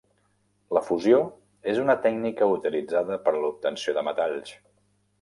La fusió és una tècnica utilitzada per a l'obtenció de metalls.